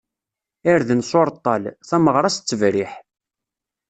Irden s uṛeṭṭal, tameɣṛa s ttebriḥ.